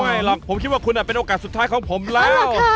หรอกผมคิดว่าคุณเป็นโอกาสสุดท้ายของผมแล้ว